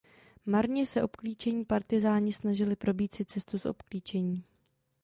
Marně se obklíčení partyzáni snažili probít si cestu z obklíčení.